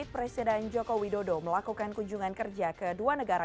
presiden jokowi dodo melakukan kunjungan kerja ke dua negara